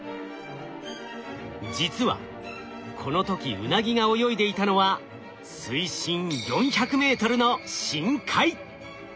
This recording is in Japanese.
実はこの時ウナギが泳いでいたのは水深４００ｍの深海。